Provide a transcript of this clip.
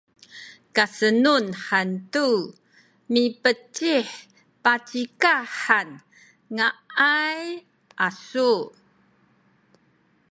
kasenun hantu mipecih pacikah han ngaay asu’